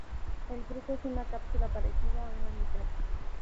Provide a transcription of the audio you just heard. El fruto es una cápsula parecida a una mitra.